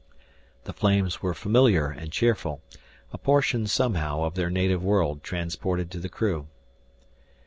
The flames were familiar and cheerful, a portion, somehow, of their native world transported to the new.